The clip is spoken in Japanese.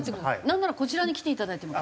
なんならこちらに来ていただいても。